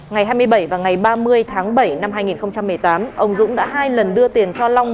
ngày hai mươi bảy và ngày ba mươi tháng bảy năm hai nghìn một mươi tám ông dũng đã hai lần đưa tiền cho long